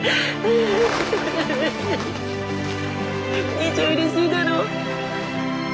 兄ちゃんうれしいだろう？